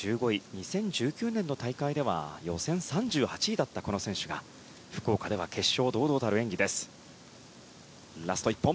２０１９年の大会では予選３８位だったこの選手が福岡では決勝堂々たる演技です。